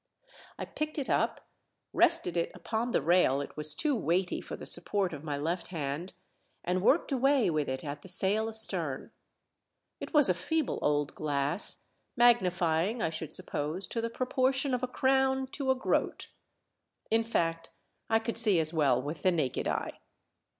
I picked it up, rested it upon the rail — it was too weighty for the support of my left hand — and worked away with it at the sail astern. It was a feeble old WE SIGHT A SHIP, 229 glass, magnifying, I should suppose, to the proportion of a crown to a groat. In fact, I could see as well with the naked eye.